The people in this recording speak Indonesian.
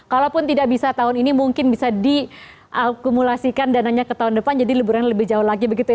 kalaupun tidak bisa tahun ini mungkin bisa diakumulasikan dananya ke tahun depan jadi liburan lebih jauh lagi begitu ya